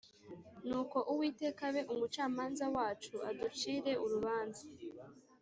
Nuko Uwiteka abe umucamanza wacu aducire urubanza